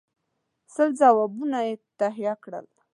سل جوابونه یې تهیه کړل.